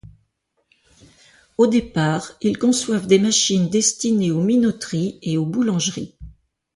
Au départ, ils conçoivent des machines destinées aux minoteries et aux boulangeries.